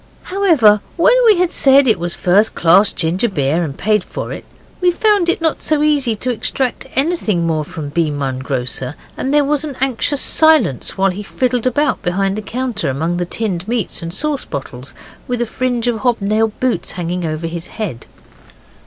However, when we had said it was first class ginger beer, and paid for it, we found it not so easy to extract anything more from B. Munn, grocer; and there was an anxious silence while he fiddled about behind the counter among the tinned meats and sauce bottles, with a fringe of hobnailed boots hanging over his head.